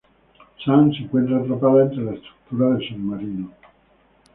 Sun se encuentra atrapada entre la estructura del submarino.